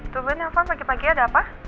tuh ben apa pagi pagi ada apa